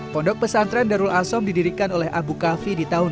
pondok pesantren darul asom didirikan oleh abu khafi di tahun dua ribu sembilan belas